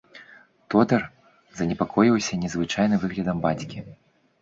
Тодар занепакоіўся незвычайным выглядам бацькі.